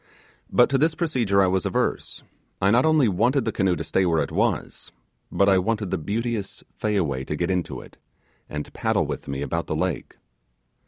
But to this procedure I was averse; I not only wanted the canoe to stay where it was, but I wanted the beauteous Fayaway to get into it, and paddle with me about the lake.